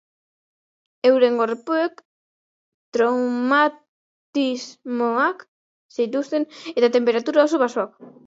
Euren gorpuek traumatismoak zituzten eta tenperatura oso baxuak.